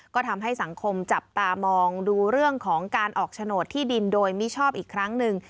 ก็ทำให้สังคมจับตามองดูเรื่องของการออกโฉนดที่ดินโดยมิชอบอีกครั้งหนึ่ง